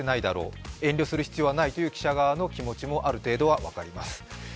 決して遠慮する必要なんてないという記者側の気持ちもある程度は分かります。